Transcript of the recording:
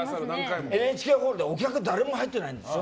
ＮＨＫホールでお客、誰も入ってないんですよ。